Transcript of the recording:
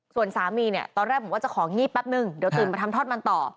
ส่วนสามีเนี่ยตอนแรกบอกว่าจะของงีบแป๊บนึงเดี๋ยวตื่นมาทำทอดมันต่อ